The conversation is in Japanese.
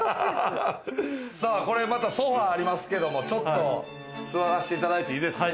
さぁこれまたソファありますけどもちょっと座らせていただいていいですか？